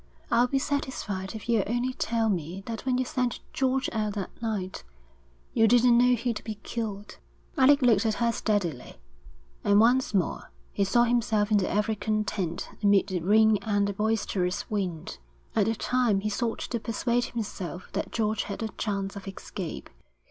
I'll be satisfied if you'll only tell me that when you sent George out that night, you didn't know he'd be killed.' Alec looked at her steadily. And once more he saw himself in the African tent amid the rain and the boisterous wind. At the time he sought to persuade himself that George had a chance of escape.